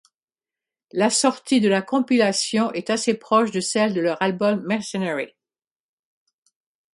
La sortie de la compilation est assez proche de celle de leur album Mercenary.